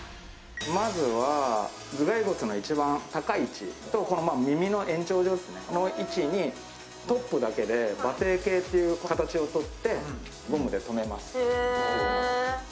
まずは、頭蓋骨の一番高い位置と耳の延長戦上の位置にトップだけで馬蹄形という形をとってゴムでとめます。